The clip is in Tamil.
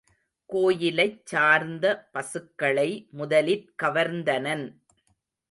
கோயிலைச் சார்ந்த பசுக்களை முதலிற் கவர்ந்தனன்.